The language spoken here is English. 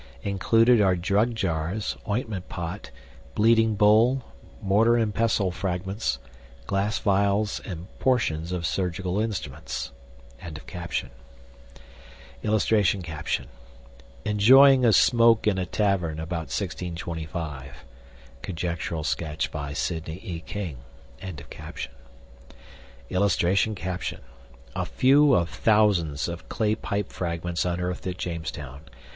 INCLUDED ARE DRUG JARS, OINTMENT POT, BLEEDING BOWL, MORTAR AND PESTLE FRAGMENTS, GLASS VIALS, AND PORTIONS OF SURGICAL INSTRUMENTS.] [Illustration: ENJOYING A SMOKE IN A TAVERN, ABOUT 1625. (Conjectural sketch by Sidney E. King.)] [Illustration: A FEW OF THOUSANDS OF CLAY PIPE FRAGMENTS UNEARTHED AT JAMESTOWN.